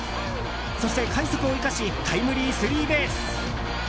そして、快足を生かしタイムリースリーベース。